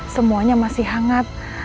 semuanya masih hangat